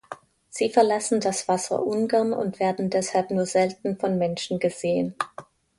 Sie verlassen das Wasser ungern und werden deshalb nur selten von Menschen gesehen.